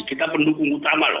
kita pendukung utama loh